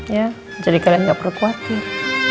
ya jadi kalian nggak perlu khawatir